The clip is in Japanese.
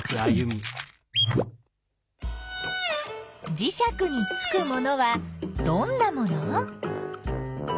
じしゃくにつくものはどんなもの？